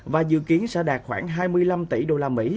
và dự kiến sẽ đạt khoảng hai mươi năm tỷ usd